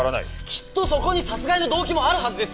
きっとそこに殺害の動機もあるはずです！